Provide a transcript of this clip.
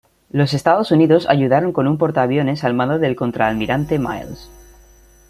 Los Estados Unidos ayudaron con un portaaviones al mando del Contraalmirante Miles.